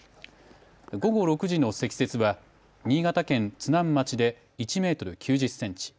午後６時の積雪は新潟県津南町で１メートル９０センチ。